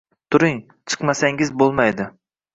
Turing, chiqmasangiz boʻlmaydi